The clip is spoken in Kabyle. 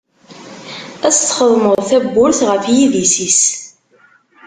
Ad s-txedmeḍ tabburt ɣef yidis-is.